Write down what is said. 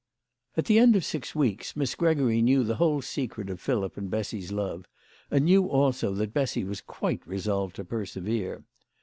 At the end of six weeks Miss Gregory knew the whole secret of Philip and Bessy's love, and knew also that Bessy was quite resolved to persevere.